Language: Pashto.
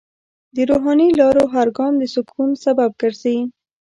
د روحاني لارو هر ګام د سکون سبب ګرځي.